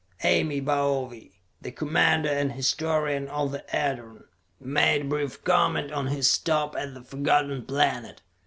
Ame Baove, the commander and historian of the Edorn, made but brief comment on his stop at the Forgotten Planet.